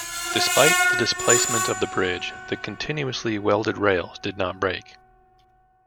Despite the displacement of the bridge, the continuously welded rails did not break.